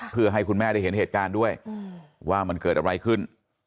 เพื่อให้คุณแม่ได้เห็นเหตุการณ์ด้วยว่ามันเกิดอะไรขึ้น